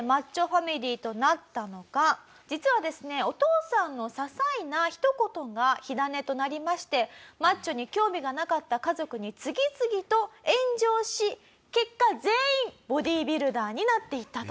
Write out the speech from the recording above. お父さんの些細なひと言が火種となりましてマッチョに興味がなかった家族に次々と炎上し結果全員ボディビルダーになっていったと。